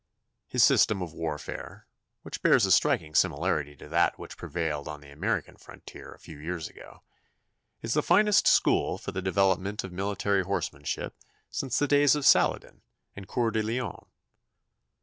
His system of warfare, which bears a striking similarity to that which prevailed on the American frontier a few years ago, is the finest school for the development of military horsemanship since the days of Saladin and Cœur de Leon.